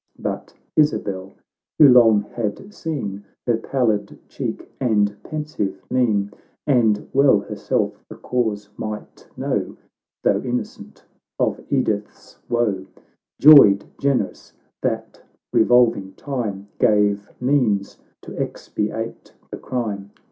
But Isabel, who long had seen Her pallid cheek and pensive mien, CANTO VI.] THE LORD OF THE ISLES. G47 And well herself the cause might know, Though innocent, of Edith's woe. Joyed, generous, that revolving time Gave means to expiate the crime.